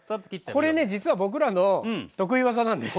これね実は僕らの得意技なんです。